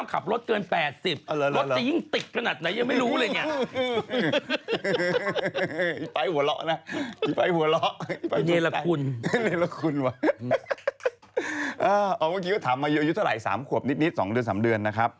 เอาเมื่อกี้ก็ถามมาอายุเท่าไหร่๓ขวบนิด๒เดือน๓เดือนนะครับ